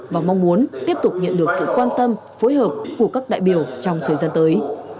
và mong muốn tiếp tục nhận được sự quan tâm phối hợp của các đại biểu trong thời gian tới